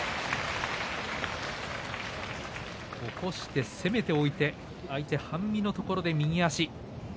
起こして攻めておいて相手半身のところで右足。